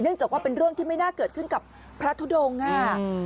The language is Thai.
จากว่าเป็นเรื่องที่ไม่น่าเกิดขึ้นกับพระทุดงค่ะ